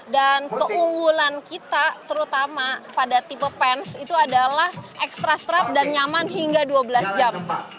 dan keunggulan kita terutama pada tipe pens itu adalah extra strap dan nyaman hingga dua belas jam